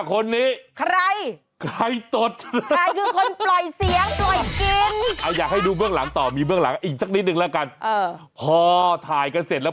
๕คนนี้ใครใครตด